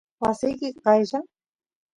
wasiki qaylla